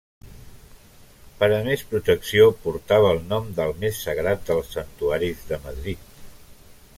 Per a més protecció portava el nom del més sagrat dels santuaris de Madrid.